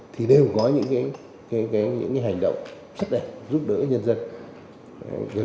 thì đều có những hành động rất đẹp giúp đỡ nhân dân gần gũi nắm được tình hình trong dân